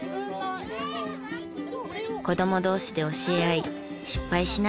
子ども同士で教え合い失敗しながら学ぶ場です。